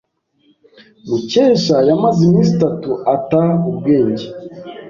Mukesha yamaze iminsi itatu ata ubwenge.